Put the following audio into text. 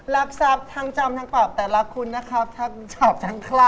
รักทรัพย์ทั้งจำทั้งปรับแต่รักคุณนะครับทั้งชอบทั้งคลั่ง